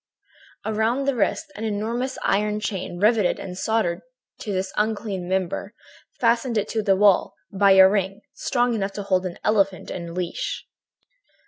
"Around the wrist, an enormous iron chain, riveted and soldered to this unclean member, fastened it to the wall by a ring, strong enough to hold an elephant in leash.